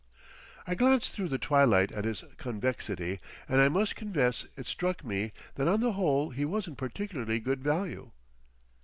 I glanced through the twilight at his convexity and I must confess it struck me that on the whole he wasn't particularly good value.